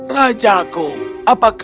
rajaku apakah kau